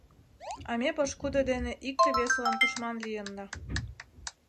— А ме пошкудо дене икте-весылан тушман лийынна.